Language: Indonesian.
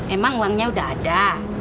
emang uangnya udah ada